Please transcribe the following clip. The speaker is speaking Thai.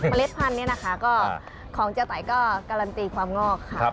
เล็ดพันธุ์นี้นะคะก็ของเจ๊ไตก็การันตีความงอกค่ะ